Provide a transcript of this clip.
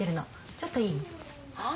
ちょっといい？はっ？